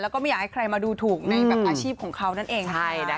แล้วก็ไม่อยากให้ใครมาดูถูกในแบบอาชีพของเขานั่นเอง